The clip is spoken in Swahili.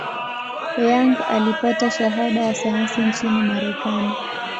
Young alipata shahada ya sayansi nchini Marekani.